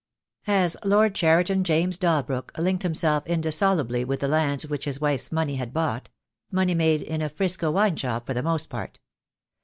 As Lord Cheriton James Dalbrook linked himself in dissolubly with the lands which his wife's money had bought; money made in a 'Frisco wine shop for the most part.